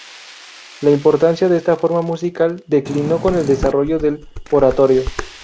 La importancia de esta forma musical declinó con el desarrollo del oratorio.